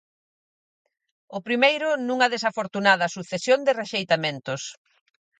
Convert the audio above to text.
O primeiro, nunha desafortunada sucesión de rexeitamentos.